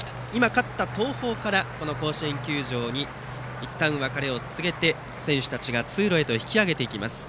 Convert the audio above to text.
勝った東邦から甲子園球場にいったん別れを告げて選手たちが通路へと引き揚げていきます。